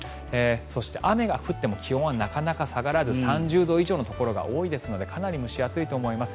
そして、雨が降っても気温はなかなか下がらず３０度以上のところが多いですのでかなり蒸し暑いと思います。